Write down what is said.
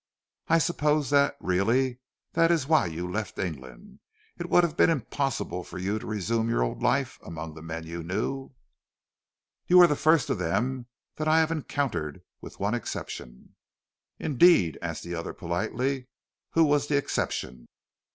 I suppose that, really, that is why you left England. It would have been impossible for you to resume your old life among the men you knew " "You are the first of them that I have encountered with one exception." "Indeed," asked the other politely, "who was the exception?"